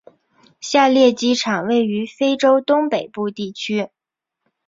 下列机场位于非洲东北部地区。